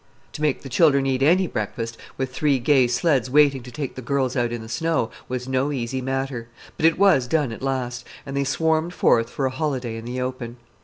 To make the children eat any breakfast, with three gay sleds waiting to take the girls out in the snow, was no easy matter; but it was done at last, and they swarmed forth for a holiday in the open.